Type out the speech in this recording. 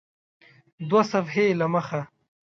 دوه صفحې یې له مخه